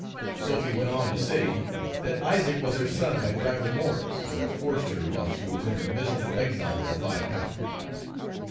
Sophy went on to say that Isaac was her son by driver Morris, who had forced her while she was in her miserable exile at Five Pound.